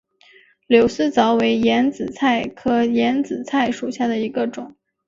柳丝藻为眼子菜科眼子菜属下的一个种。